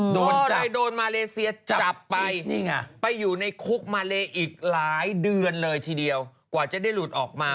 โดนจับจับไปไปอยู่ในคุกมาเลอีกหลายเดือนเลยทีเดียวกว่าจะได้หลุดออกมา